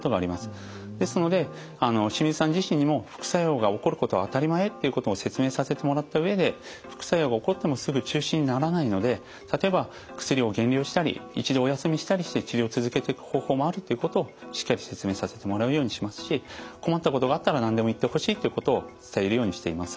ですので清水さん自身にも副作用が起こることは当たり前っていうことを説明させてもらった上で副作用が起こってもすぐ中止にならないので例えば薬を減量したり一度お休みしたりして治療を続けていく方法もあるということをしっかり説明させてもらうようにしますし困ったことがあったら何でも言ってほしいということを伝えるようにしています。